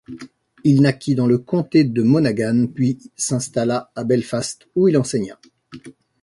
Il naquit dans le comté de Monaghan puis s'installa à Belfast où il enseigna.